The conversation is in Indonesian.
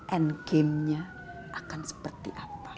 dan game nya akan seperti apa